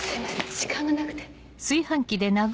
時間がなくて。